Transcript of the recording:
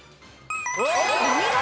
お見事！